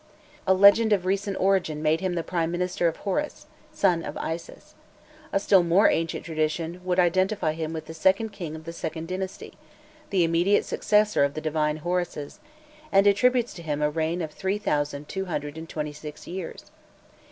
A legend of recent origin made him the prime minister of Horus, son of Isis; a still more ancient tradition would identify him with the second king of the second dynasty, the immediate successor of the divine Horuses, and attributes to him a reign of 3226 years.